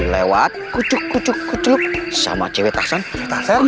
tembak tembak lo jangan sampai salah lagi